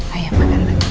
ayah makan lagi